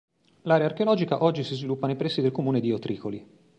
L'area archeologica oggi si sviluppa nei pressi del comune di Otricoli.